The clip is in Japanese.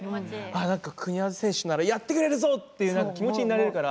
なんか、国枝選手ならやってくれるぞっていう気持ちになれるから。